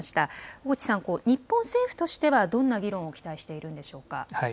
小口さん、日本政府としては、どんな議論を期待しているんでしょうか。